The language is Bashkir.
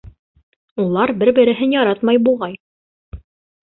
Улар бер-береһен яратмай, буғай.